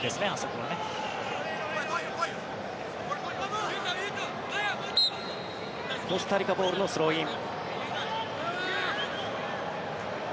コスタリカボールのスローイン。